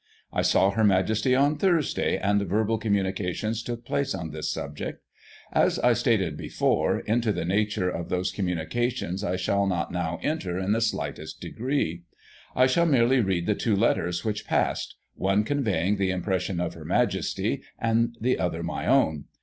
" I saw Her Majesty on Thursday, and verbal communica tions took place on this subject. As I stated before, into the nature of those communications I shall not now enter in the slightest degree. I shall merely read the two letters which passed ; one conveying the impressions of Her Majesty, and the other my own.